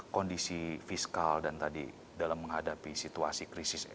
kondisi fiskal dan tadi dalam menghadapi situasi krisis